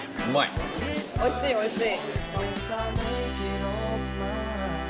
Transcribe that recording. おいしいおいしい。